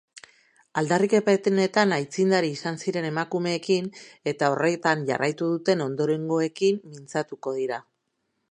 Aldarrikapenetan aitzindari izan ziren emakumeekin, eta horretan jarraitu duten ondorengoekin mintzatuko dira.